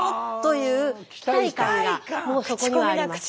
がもうそこにはあります。